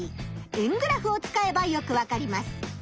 円グラフを使えばよくわかります。